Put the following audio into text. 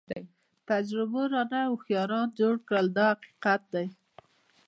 تجربو رانه هوښیاران جوړ کړل دا حقیقت دی.